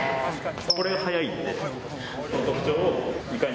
これが速いんで。